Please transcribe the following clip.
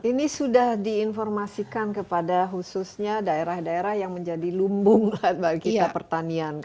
ini sudah diinformasikan kepada khususnya daerah daerah yang menjadi lumbung bagi kita pertanian